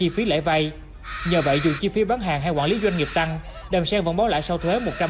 phí lễ vay nhờ vậy dù chi phí bán hàng hay quản lý doanh nghiệp tăng đầm sen vẫn bó lãi sau thuế